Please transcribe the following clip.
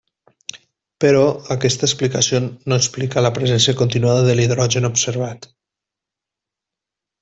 Però aquesta explicació no explica la presència continuada de l'hidrogen observat.